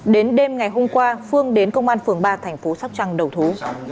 đến đêm ngày hôm qua phương đến công an phường ba thành phố sóc trăng đầu thú